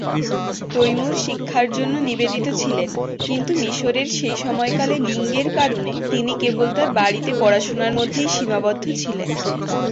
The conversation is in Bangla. তৈমুর শিক্ষার জন্য নিবেদিত ছিলেন কিন্তু মিশরের সেই সময়কালে লিঙ্গের কারণে তিনি কেবল তার বাড়িতে পড়াশোনার মধ্যেই সীমাবদ্ধ ছিলেন।